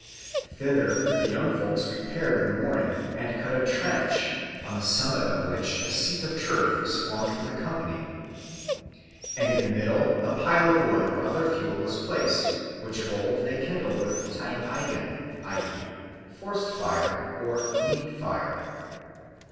Thither the young folks repaired in the morning, and cut a trench, on the summit of which a seat of turf was formed for the company. And in the middle a pile of wood or other fuel was placed, which of old they kindled with tein eigin i.e., forced fire or _need fire.